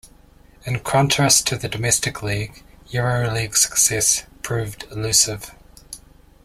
In contrast to the domestic league, EuroLeague success proved elusive.